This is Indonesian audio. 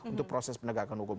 untuk proses penegakan hukum